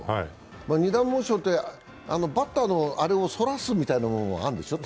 ２段モーションって、バッターのあれをそらすというのもあるんでしょう？